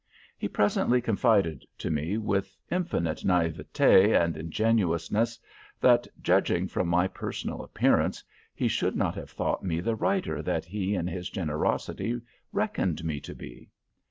He presently confided to me, with infinite naivete and ingenuousness, that, judging from my personal appearance, he should not have thought me the writer that he in his generosity reckoned me to be.